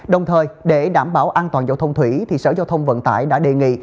đồng thời để đảm bảo an toàn giao thông thủy sở giao thông vận tải đã đề nghị